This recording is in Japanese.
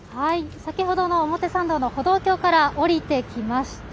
先ほどの表参道の歩道橋から下りてきました。